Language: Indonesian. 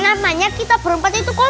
namanya kita berempat itu kompak